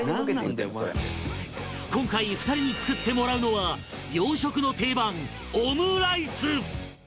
今回２人に作ってもらうのは洋食の定番オムライス！